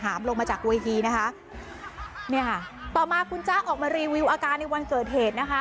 ลงมาจากเวทีนะคะเนี่ยค่ะต่อมาคุณจ๊ะออกมารีวิวอาการในวันเกิดเหตุนะคะ